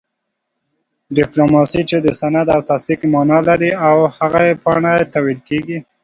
ډيپلوماسۍ چې د سند او تصديق مانا لري او هغې پاڼي ته ويل کيږي